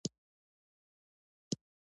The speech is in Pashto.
هغه چا کیسه کوي.